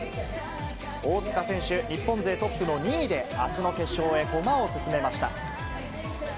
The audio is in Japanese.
大塚選手、日本勢トップの２位であすの決勝へ駒を進めました。